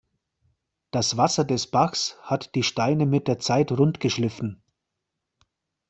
Das Wasser des Bachs hat die Steine mit der Zeit rund geschliffen.